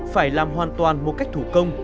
phải làm hoàn toàn một cách thủ công